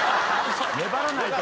粘らないと。